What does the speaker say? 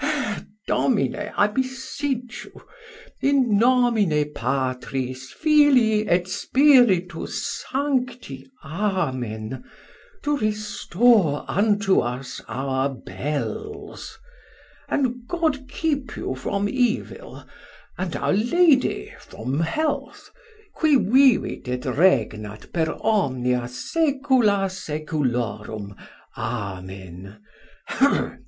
Hei, Domine, I beseech you, in nomine Patris, Filii, et Spiritus sancti, Amen, to restore unto us our bells: and God keep you from evil, and our Lady from health, qui vivit et regnat per omnia secula seculorum, Amen.